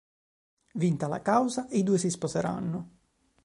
Vinta la causa, i due si sposeranno.